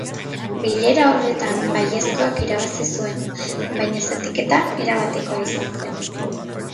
Bilera horretan baiezkoak irabazi zuen, baina zatiketa erabatekoa izan zen.